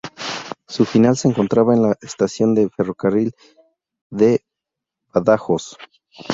Su final se encontraba en la estación de ferrocarril de Badajoz.